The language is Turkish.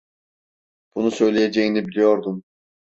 Bunu söyleyeceğini biliyordum.